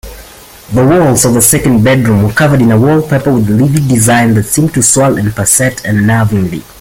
The walls of the second bedroom were covered in a wallpaper with a livid design that seemed to swirl and pulsate unnervingly.